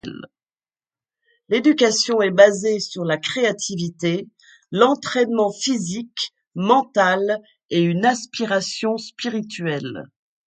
L’éducation est basée sur la créativité, l’entraînement physique, mental et une aspiration spirituelle.